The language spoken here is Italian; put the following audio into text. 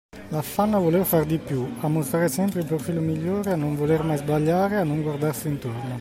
L’affanno a voler fare di più, a mostrare sempre il profilo migliore, a non voler mai sbagliare, a non guardarsi intorno.